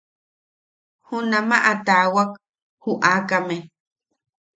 Junamaʼa taawak ju aakame.